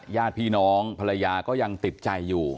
ญาติพี่น้องภรรยาก็ยังติดใจอยู่